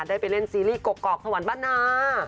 ได้ไปเล่นซีรีส์กอกถวันบ้านา